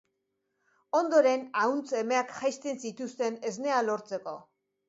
Ondoren ahuntz emeak jaisten zituzten esnea lortzeko.